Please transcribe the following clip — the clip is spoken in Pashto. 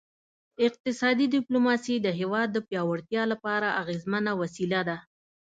اقتصادي ډیپلوماسي د هیواد د پیاوړتیا لپاره اغیزمنه وسیله ده